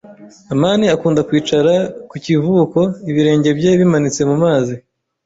amani akunda kwicara ku kivuko ibirenge bye bimanitse mu mazi.